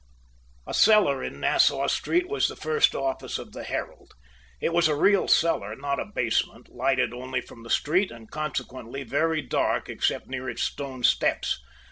A cellar in Nassau Street was the first office of the "Herald." It was a real cellar, not a basement, lighted only from the street, and consequently very dark except near its stone steps.